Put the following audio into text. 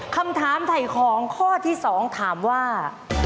คำถามไถ่ของข้อที่๒ถามว่า